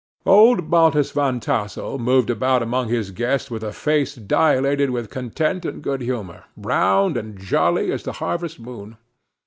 Old Baltus Van Tassel moved about among his guests with a face dilated with content and good humor, round and jolly as the harvest moon.